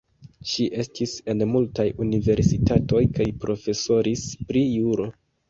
Ŝi estis en multaj universitatoj kaj profesoris pri juro.